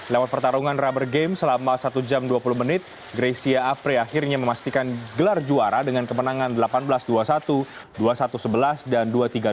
lewat pertarungan rubber game selama satu jam dua puluh menit greysia apri akhirnya memastikan gelar juara dengan kemenangan delapan belas dua puluh satu dua puluh satu sebelas dan dua puluh tiga dua belas